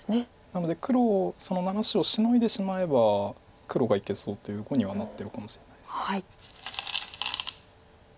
なので黒その７子をシノいでしまえば黒がいけそうという碁にはなってるかもしれないです。